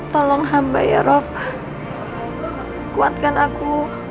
tolong hamba ya rob kuatkan aku